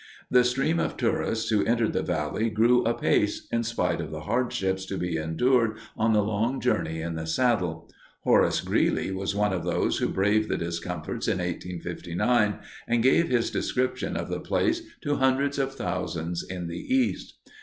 The stream of tourists who entered the valley grew apace in spite of the hardships to be endured on the long journey in the saddle. Horace Greeley was one of those who braved the discomforts in 1859 and gave his description of the place to hundreds of thousands in the East.